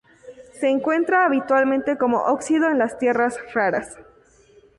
Se encuentra habitualmente como óxido en las tierras raras.